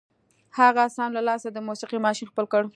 هغه سم له لاسه د موسيقۍ ماشين خپل کړ.